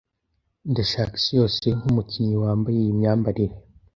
Ndashaka isi yose nkumukinnyi wambaye iyi myambarire,